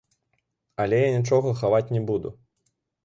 Але я нічога хаваць не буду.